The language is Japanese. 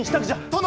殿！